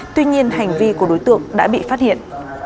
tuy nhiên hành vi của đối tượng đã bị phát hiện